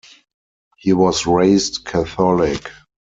He was raised Catholic.